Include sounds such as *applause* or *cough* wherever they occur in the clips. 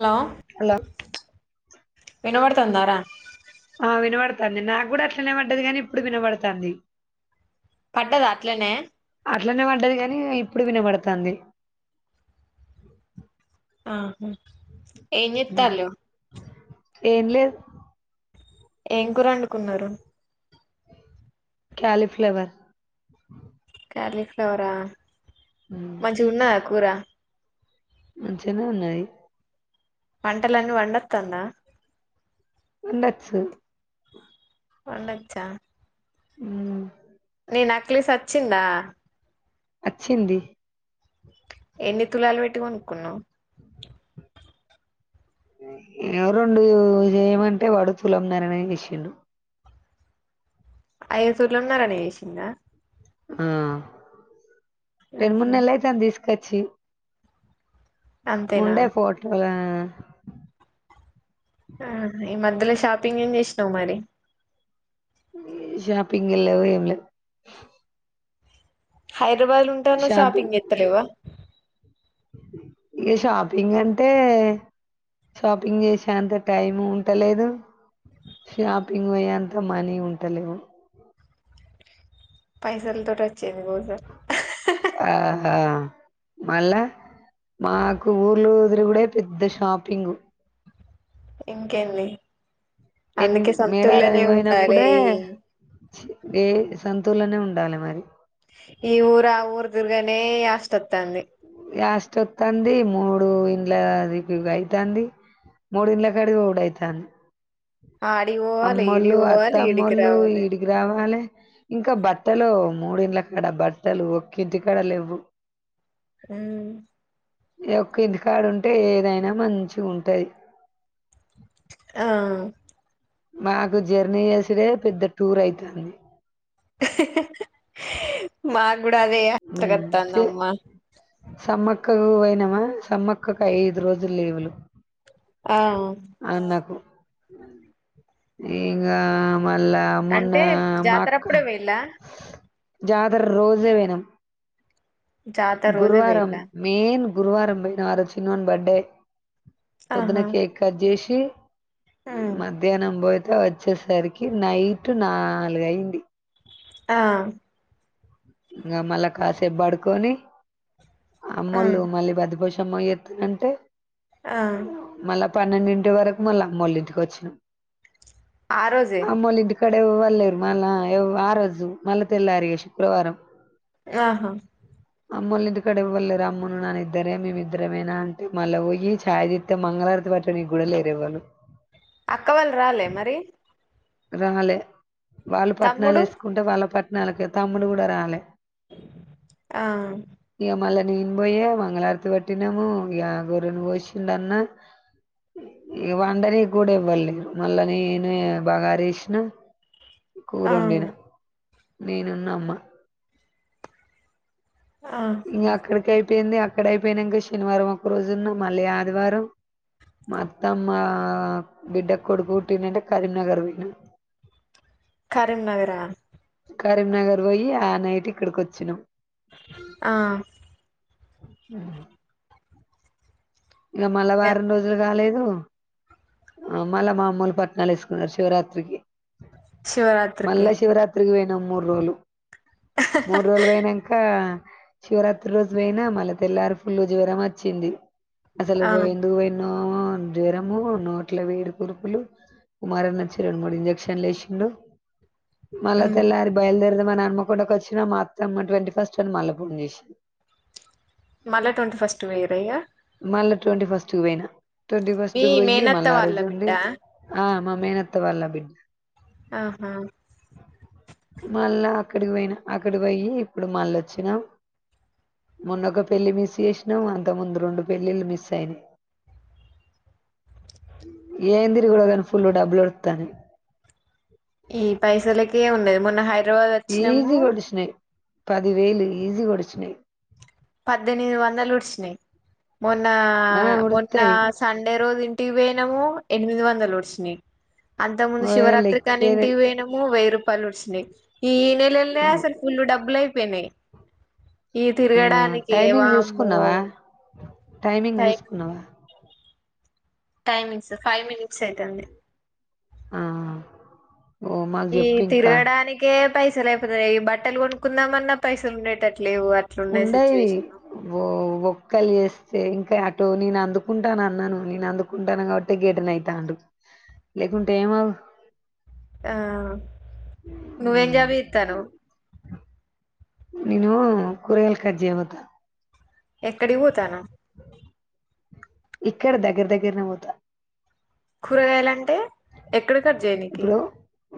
లో అలా వినబడుతందారా? ఆ వినబడుతాంది, నాగ్గుడా అట్లనే పడ్డది గాని ఇప్పుడు వినబడుతాంది. పట్టదా అట్లనే? అట్లనే పడ్డది గనీ ఇప్పుడు వినబడుతాంది. ఆహా ఉమ్. ఎంజేత్తాళ్లు? ఏం లేదు ఏం కూరండుకున్నరు? క్యాలిఫ్లేవర్ క్యాలిఫ్లవరా ఉమ్, మంచిగున్నదా కూర? మంచిగనే ఉన్నయి వంటలన్నీ వండొత్తాందా? వండచ్చు వండచ్చా హ్మ్ ని నెక్లెస్ అచ్చిందా? అచ్చింది. ఎన్ని తులాలు పెట్టి కోనుకున్నవు? ఎమొ రెండు చేయమంటే వాడు తులమ్నరనే చేసిండు అయ్యో తులంనరనే చేసిండా? ఆ రెండు మూడు ఉహు నెల్లైతాంది దీస్ కచ్చి అంతేనా ఉండే ఫోటోల ఆ ఈ మధ్యల షాపింగ్ ఏం చేసినవు మరి? ఏ షాపింగుల్లేవ్ ఏం లేవ్ హైదరాబాద్ లుంటానవ్ షాపింగ్ చేత్తలేవా? ఇగ షాపింగ్ అంటే షాపింగ్ చేసేంత టైం ఉంటలేదు, షాపింగ్ పోయ్యేంత మనీ ఉంటలేవు. పైసల్తోటచ్చ్ చ్చింది కోసం ఆ మళ్ళా మాకు ఊర్లు తిరుగుడే పెద్ద షాపింగ్. ఇంకేంది ఎన్ అందుకే సోంతుల్లనే మేడారానికి ఉండాలే పోయినప్పుడే ఈ ఏ సంతులనే ఉండాలి మరి ఈ ఊరు ఆ ఊరు తిరుగనే యాష్ట్ ఒత్తంది యాస్ట్ వస్తుంది మూడు ఇండ్ల తిరుగుడు అయితుంది మూడు ఇండ్ల కాడికి పోవుడు అయితాంది ఆడికి పోవాలి ఈడికి అమ్మోళ్ళు పోవాలి ఈడికి అత్తమ్మళ్లు రావాలి ఈడికి రావాలి ఇంక బట్టలు మూడిళ్ళ కాడ బట్టలు ఒక్కింటికాడ లేవు అ ఇగ ఒక్కింటి కాడ ఉంటే ఏదైనా మంచిగ ఉంటది ఆ మాకు జర్నీ చేసుడే పెద్ద టూర్ అయితుంది మాకూడ అదే హ్మ్ చే యాష్టకొత్తాందమ్మ సమ్మక్కకు పోయినమా సమ్మక్కకు ఐదు రోజులు లీవులు ఆ అన్నకు. ఇంగా మళ్ళ మోన్న అంటే మాక్క జాతరప్పుడే పోయిల్లా జాతర రోజే పోయినం జాతర రోజే గురువారం పోయిల్లా మెయిన్ గురువారం పోయినం అరోజు చిన్నోని బర్డే పొద్దున ఆహా కేక్ కట్ ఉమ్ *unintelligible* మధ్యాహ్నంబోతే వచ్చేసరికి నైట్ నాలుగయింది ఆ ఇంగ మళ్ళా కాసేపు పడుకొని ఆ అమ్మోళ్ళు మళ్ళీ బంతి అమ్మో చెత్తదంటే ఆ పన్నెండింటి వరకు మళ్ళ అమ్మోళ ఇంటికి వచ్చినం ఆ రోజే ఇక్కడ ఎవ్వలేరు మళ్ళా ఆ రోజు మళ్ళా తెల్లారి శుక్రవారం ఆహా అమ్మోల్ల ఇంటికాడ ఎవ్వలేరు అమ్మును నాన్న ఇద్దరే మేమిద్దరమేనా అంటే మళ్ళ పోయి ఛాయి చెత్తే మంగళారతి పాట్టనీకి కూడా లేరేవ్వరు అక్క వాళ్ళు రాలే మరి రాలే వాళ్ళు పాట్నాలు తమ్ముడు వేసుకుంటే వాళ్ళ పట్ట లకే తమ్ముడు కూడ రాలే ఆ నేన్ పొయ్య మంగళారతి పట్టినాము ఇగ గొర్రెని కోసిండు అన్న ఇ వండనే కూడా ఇవ్వలేరు మళ్ళా నేను బగార డెక్ రిష్ణు ఆ కూరోండిన నేనున్నమ్మ ఆ ఇ అక్కడి కయ్ అయిపోయింది అక్కడ అయిపోయినాక శనివారం ఒక రోజు ఉన్న మళ్ళీ ఆదివారం మొత్తం ఆ బిడ్డ కొడుకు పుట్టినంటే కరీంనగర్ పోయినాం కరీంనగరా కరీంనగర్ పోయి ఆ నైట్ ఇక్కడికొచ్చినాం ఆ ఉంహు ఇక మళ్ళా వారం గంతే రోజులు కాలేదు మళ్ళా మా అమ్మోలు పట్నాలు వేసుకున్నారు శివరాత్రికి శివరాత్రికి మల్ళ శివరాత్రికి పోయ్ ఇంక మూడ్ రోజులు మూడు రోజులు పోయినంక శివరాత్రి రోజు పోయినా మళ్ తెల్లారు ఫుల్ జ్వరం వచ్చింది అసలు ఆ పో ఎందు పోయ్ నో ఆ జ్వరము నో అట్ల వేడి కురుపులు కుమారనొచ్చి రెండు మూడు ఇంజెక్షన్లు వేసిండు మళ్ళ హ్మ్ తెల్లారి బయలుదేరదమ్ మన హన్మకొండకి వచ్చినా మా అత్తమ్మ ట్వంటీ ఫస్ట్ అని మల్ల గుండు చేసింది మళ్ళీ ట్వంటీ ఫస్ట్ పోయిర్రా ఇగ మళ్ళీ ట్వంటీ ఫస్ట్ క పోయినా ట్వంటీ మీ ఫస్ట్ కి పోయ్యి మేనత్త మళ్ళ ఆ వాళ్ళ రోజు బిడ్డ ఉండి ఆ మా మేనత్త వాళ్ళ బిడ్డ ఆహా మళ్ళా అక్కడికి పోయినా అక్కడి పోయి ఇప్పుడు మళ్ళ వచ్చినాం మొన్నొ ఒక పెళ్లి మిస్ చేసినాం అంత ముందు రెండు పెళ్ళిలు మిస్ అయినాయ్ ఏంద్రిది ఫుల్ డబ్లు అడుతానాయ్. ఈ పైసలకే ఉండ మన హై ఈజీగా వోడ్చినాయ్ పది వేలు ఈజీ గ వోడ్చినాయ్ పద్దెనిమిది వందలు ఉడ్చినయి మొన్న ఆ మొన్న ఒడుత్తయి సండే రోజు ఇ టి పోయినము ఎనిమిది వందలు వుడ్సినాయ్ అంతకు ముందు ఓ శివరాత్రికని లెక్కే లేదు. ఇంటికి వోయినము వెయ్యి రు పలు లొడిసినయ్ ఈ నెలల్నే అసల్ ఫుల్లు డబ్బులయి పెనై ఈ ఆ తిరుగడా టైమింగ్ చూసుకున్నవా? టైమింగ్ టైం చూసుకున్నవా? టైమింగ్స్ ఫైవ్ మినిట్స్ ఐతంది. ఆ ఓ మాకు ఈ చెప్పు ఇంకా తిరుగడానికె పైసలు అయిపోతయ్, ఈ బట్టలు కొనుక్కుందామన్నా పైసలు ఉండేటట్టు లేవు అట్లున్నాయి ఉండై సిచ్యువేషన్ వో వొక్కలు చేస్తే ఇం అటు నేను అందుకుంటాను అన్నాను, నేను అందుకుంటాన కాబట్టే గిటెన్ ఐతాండు, లేకుంటే ఏమవ్ ఆ నువ్వెం జాబ్ చేత్తానవ్ నిను కూరగాయలు కట్ జేయపోత ఎక్కడి పోతాన్నవ్? ఇక్కడ దగ్గర దగ్గరనే పోతా. కూరగాయలంటే ఎక్కడి కట్ చేయనికి ఇప్పుడు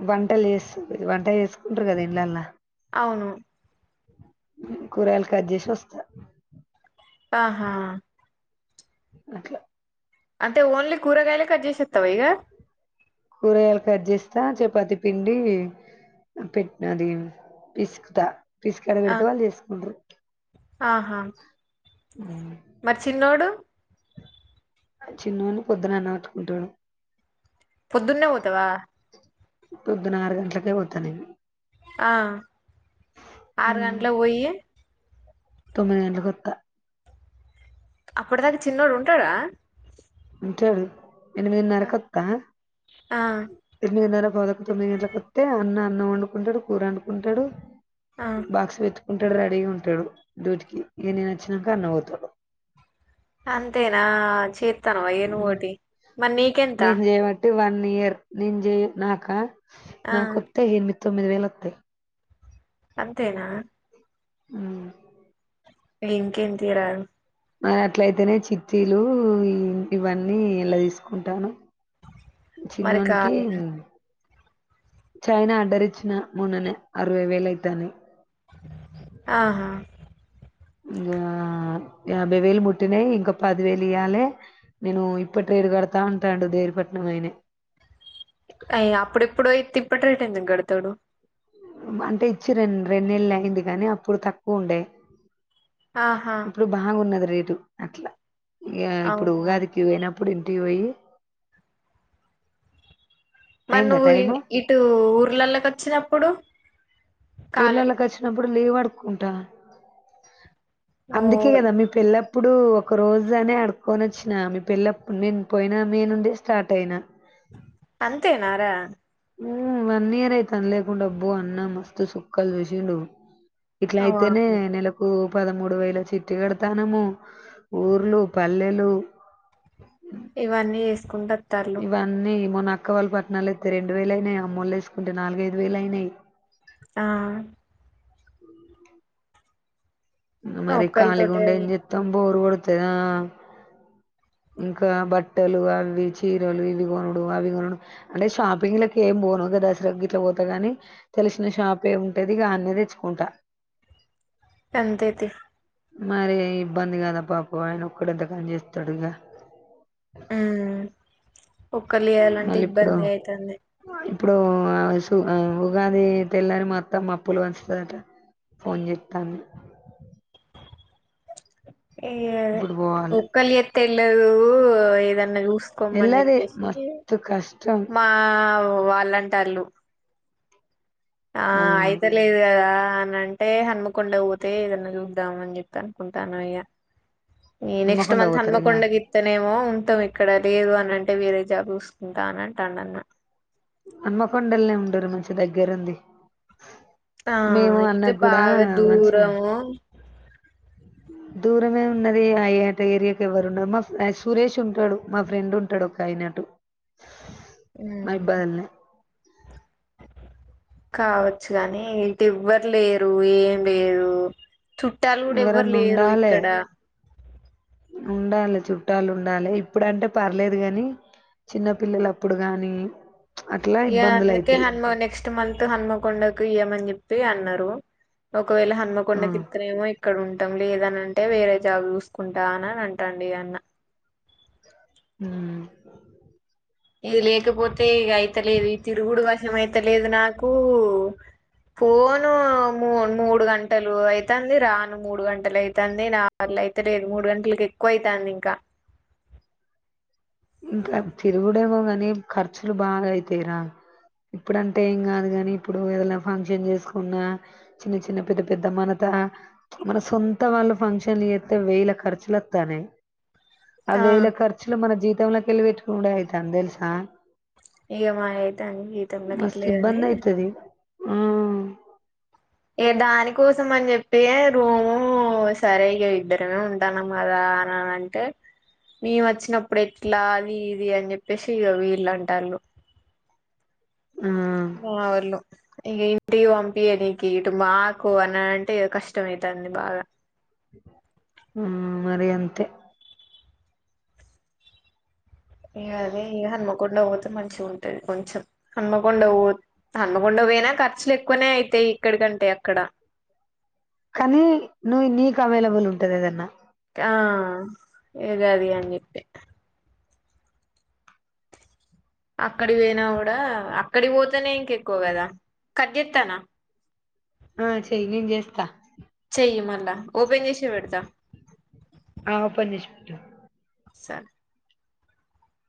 వంటలు చేస్తు, వంట చేసుకుంటరు కదా ఇండ్లల్లా అవును కూరగాయలు కట్ చేసి వస్తా. ఆహా అట్ల అంటే ఓన్లీ కూరగాయలే కట్ జేసత్తవ ఇగ? కూరగాయలు కట్ చేస్తా, చపాతి పిండి పెట్టినది పిసుకుతా. పిసికాడ ఆ పెడతే వాళ్ళు చేసుకుంట్రూ. ఆహా ఉమ్. మరి చిన్నోడు? చిన్నోన్ని పొద్దున అన్నవట్టుకుంటడు పొద్దున్నే పోతవా? పొద్దున ఆరు గంటలకే పోతనేను. ఆ ఆరు గంటలు పొయ్యి తొమ్మిది గంటలకు ఒత్త అప్పుడు దాకా చిన్నోడు ఉంటడా? అంటంతడు *unintelligible* ఎనిమిదిన్నర కోత్తా ఆ ఎనిమిదిన్నర గోదక తొమ్మిది గంటలలకుొస్తే అన్న అన్నం వండుకుంటాడు కూర వండుకుంటాడు ఆ, బాక్స్వత్ ఉంటాడు రెడీగా ఉంటాడు డ్యూటికి ఇక నేను వచ్చినంక అన్న పోతాడు అంతేనా చే తనువా ఏను ఓటి మరీ నీకెంత నయర్ నిజే నాకా ఆ నా కొత్తా ఏను ప తొమ్మిది వేళ్ళు వతాయి అంతేనా అ ఇంకెంత ఈ రారు అట్లయితేనే చిత్తీలు ఈ ఇవన్నీ ఇలా తీసుకుంటాను మరి చినోనికి కాదు చైనా అడ్డరిచ్చిన మూననే అరవై వేలైతానాయి ఆహా ఇంకా యాభై వేలు ముట్టినయి ఇంకా పదివేలు ఇయాలి నేను ఇప్ప ట్రేడ్ కడతా ఉంటాడు దేరిపట్నం అయినా అయ అప్పుడప్పుడు తింప్పటి రెట్ ఎందుకు కడ్తవ్ నువ్వు అంటే ఇచ్చి రెండ్ రెండు నెళ్లు అయింది గానీ అప్పుడు తక్కువ ఉండే ఆహా ఇప్పుడు బాగున్నది రేటు అట్లా ఈగ ఇప్పుడు అవునా ఊగాదికి పోయి నా అపుడు ఇంటికి పోయి మరీ అయిందా నువ్వు టైము ఇటు ఊర్లలోకి వచ్చినప్పుడు కాలే ఊర్లలోకి వచ్చినప్పుడు లీవ్ కుంటా ఓ అందుకే కదా మీ పెళ్లి ఇప్పుడు ఒక రోజు అనే అడుకోొని వచ్చిన మీ పిల్లప్పుడు నేను పోయినా మీేనుండే స్టార్ట్ అయినా అంతేనారా ఉ వన్ ఇయర్ అయితంది లేకుంటే అబ్బో అన్న మస్తుత్ సుక్ కల్ శుసిండు ఇట్లా అయితేనే వామ్మో నెలకు పదమూడు వేల చిట్టు కడతానము ఊర్లు పల్లెలు ఇవన్నీ చేసుకుంట వత్తాళ్ళు ఇవన్నీ మనా అక్క వాళ్ళ పట్నాణాలుస్తతే రెండు వేలు అయినాయి అమ్మళ్లు వేసుకుంటే నాలుగైదుేలు అయినాయి ఆ మరి ఒక్కళతోటే ఖాళీగుండెమ్ చెత్తమ్ బోర్ చెదా ఇంకా బట్టలు అవి చీరలు ఇది కొనుడు అవి కొనుడు అంటే షాపింగ్లకి ఏం పోను ఆ దసరా గిట్ల పోత గని తెలిసిన షాపే ఉంటది ఇగ అన్నే తెచ్చుకుంటా అంతేతి మరి ఇబ్బంది కదా పాపం ఆయన ఒక్కడు ఎంత కాని చేస్తాడు ఇగ ఆ ఒక్కల్ చేయాలంటే మళ్ళీ ఇప్పుడు ఇబ్బందే అయితాంది. ఇప్పుడు అ ఉగాది తెల్లారి మా అత్తమ్మ అప్పులు పంచుతాదట ఫోన్ చెత్తంది ఏ ఇగ అదే ఇప్పుడు పోవాలే ఒక్కల్ తెల్లాదు ఏదన్ చూసుకోమని వెళ్ళది చెప్పేసి మస్తు కష్టం మా ఓ వాళ్ళంటాళ్ళు ఆ అయితే లేదు కదా అంటే హన్మకొండకు పోతే ఏదన్నా చూద్దాం అని చెప్పి అనుకుంటానమ్ ఇగ ఈ నెక్స్ట్ హన్మకొండ మంత్ పోతారు ఇక హన్మకొండ కింతానేమో మొత్తం ఇక్కడ లేదు అని అంటే వేరే జాబ్ చూసుకుంటా అని అంటాడ్ అన్న హన్మకొండల్నే ఉండరు మంచి దగ్గరుంది ఆ అయితే బాగా మంచిగా దూరము దూరమే ఉన్నది ఆయెట ఏరియాకి ఎవ్వరు ఉన్నరు మా సురేష్ ఉంటడు మా ఫ్రెండ్ ఉంటడు ఒక ఆయన అటు ఉమ్, మైబాద్ల్నే కావచ్చు కానీ ఇట్ ఎవ్వరు లేరు ఏం లేదు. చుట్టాలు కూడా ఎవ్వరు ఎవరన్నా లేరు ఉండాలే ఇక్కడ ఉండాలి చుట్టాలు ఉండాలి ఇప్పుడంటే పర్లేదు గని చిన్న పిల్లల అప్పుడు గాని అట్లా ఇగ ఇబ్బందులు అందుకే అయితాయి హనుమ నెక్స్ట్ మంత్ హనుమకొండకు ఇయ్యమని చెప్ చెప్పి అన్నరు. ఒకవేళ ఆ హన్మకొండ కితరెమో ఇక్కడ లేదని అంటే వేరే జాబ్ చూసుకుంటా అని అంటాడు ఇగ అన్న హ్మ్ ఇది లేకపోతే ఇగ అయి లేదు ఈ తిరుగుడు వశం అయితే లేదు నాకు పోను మూ మూడు గంటలు అయితాంది రాను మూడు గంటలు అయితాంది. నావల్ల అయితే లేదు మూడు గంటలకి ఎక్కువ అయితాంది ఇంకా ఇంకా తిరుగుడేమో గని ఖర్చులు బాగా అయితాయిరా ఇప్పుడంటే ఏం కాదు గని ఇప్పుడు ఏదన్న ఫంక్షన్ చేస్ ఉన్న చిన్న చిన్న పెద్ద పెద్ద మనత మన సొంత వాళ్ళు ఫంక్షన్లు చేత్తె వేల ఖర్చులు వత్తానయ్ ఆ వేల ఖర్చులు మన జీ జేబులోకెళ్ళి పెట్టుకోనుడే అయితాంది తెలుసా ఈగ అయితే మాయి అన్ని మస్తు జీవితంలోకెళ్లే కానీ ఇబ్బంది అయితది ఆ దానికోసం అని చెప్పి దానికోసమని చెప్పే రోజు ఇక సరే అని ఇద్దరం ఉంటాను కదా అని మేము వచ్చినప్పుడు ఎట్లా అది ఇది అని చెప్పేసిగ వీళ్ళ వీళ్ళు ఆటలు ఆ మావోలు ఇక ఇంటి పంపియ్యరు మాకు అంటే కష్టం అవుతుంది బాగా ఉ మరి అంతే ఈగ అదే హన్మకొండ పోతే మంచి ఉంటది కొంచెం హన్మకొండ హన్మకొండ పోయినా ఖర్చులు ఎక్కువనే అయితాయి ఇక్కడికంటే అక్కడ కానీ నువ్వు నీకు అవైలబుల్ ఉంటది ఏదన్నా ఆ గది అని చెప్పి అక్కడి పోయినా కూడా అక్కడి పోతేనే ఎక్కువగా కదా కట్ చేస్తున్న ఆ చెయ్య నేను చేస్తా చెయ్యి మళ్ళా ఓపెన్ చేసే పెడతా ఆ ఓపెన్ చేసి పెట్టు సార్